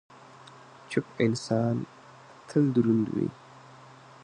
چپ انسان، تل دروند وي.